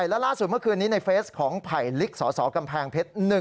และล่าสุดเมื่อคืนนี้ในเฟสของไผ่ลิกสสกำแพงเพชร